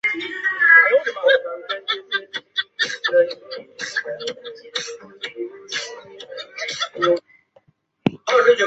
产品待办事项列表根据产品和开发环境的变化而演进。